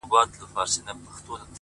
پاچا صفا ووت- ه پکي غل زه یم-